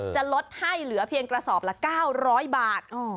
จะลดให้เหลือเพียงกระสอบละ๙๐๐บาท